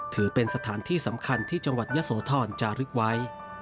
ถือเป็นสถานที่สำคัญที่จังหวัดยะโสธรจารึกไว้